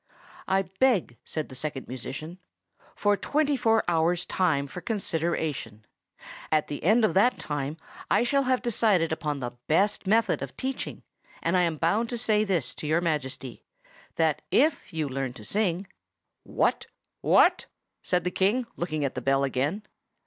"I beg," said the Second Musician, "for twenty four hours' time for consideration. At the end of that time I shall have decided upon the best method of teaching; and I am bound to say this to Your Majesty, that if you learn to sing—" "What?" said the King, looking at the bell again.